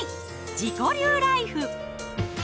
自己流ライフ。